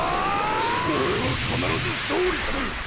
俺は必ず勝利する！